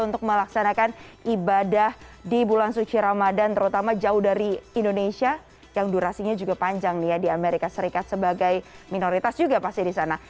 untuk melaksanakan ibadah di bulan suci ramadan terutama jauh dari indonesia yang durasinya juga panjang nih ya di amerika serikat sebagai minoritas juga pasti di sana